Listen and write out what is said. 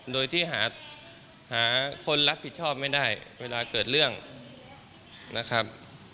โดยที่หาคนรับผิดชอบไม่ได้เวลาเกิดเรื่องนะครับ